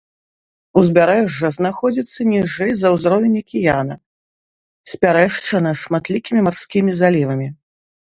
Узбярэжжа знаходзіцца ніжэй за ўзровень акіяна, спярэшчана шматлікімі марскімі залівамі.